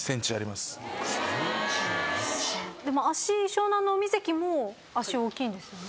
湘南乃海関も足大きいんですよね。